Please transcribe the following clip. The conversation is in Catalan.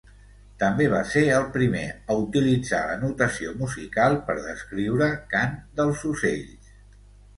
També va ser el primer a utilitzar la notació musical per descriure cant dels ocells.